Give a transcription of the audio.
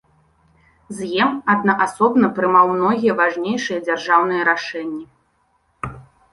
З'ем аднаасобна прымаў многія важнейшыя дзяржаўныя рашэнні.